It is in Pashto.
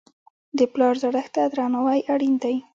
د پلار زړښت ته درناوی اړین دی.